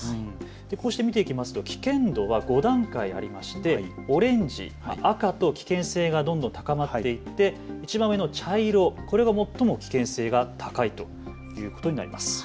こうして見ていきますと危険度は５段階ありましてオレンジ、赤と危険性がどんどん高まっていていちばん上の茶色、これが最も危険性が高いということになります。